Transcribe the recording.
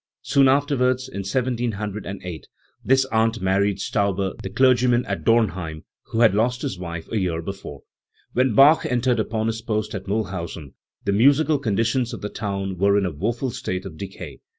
Soon afterwards, in 1708, this aunt married Stauber, the clergyman at, Dornheim, who had lost his wife a year before. When Bach entered upon his post at Miihlhausen, the musical conditions of the town were in a woeful state of decay.